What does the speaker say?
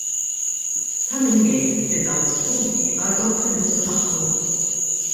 Ta' min jgħid li dawn l-istudji għadhom fil-bidu tagħhom.